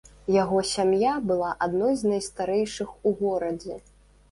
Яго сям'я была адной з найстарэйшых у горадзе.